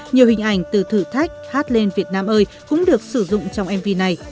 nhiều hình ảnh từ thử thách hát lên việt nam ơi cũng được sử dụng trong mv này